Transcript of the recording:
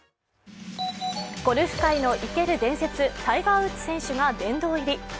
ゴルフ界の生ける伝説タイガー・ウッズ選手が殿堂入り。